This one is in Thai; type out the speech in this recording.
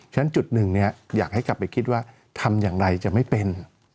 ฉะจุดหนึ่งอยากให้กลับไปคิดว่าทำอย่างไรจะไม่เป็น